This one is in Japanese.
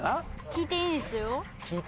「聞いていいですよ」。